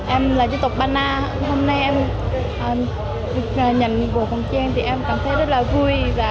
em là dân tộc bana hôm nay em nhận bộ công chiêng thì em cảm thấy rất là vui